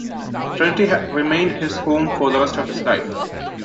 Trinity remained his home for the rest of his life.